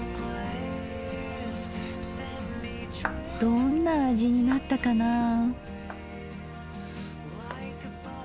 どんな味になったかなあ。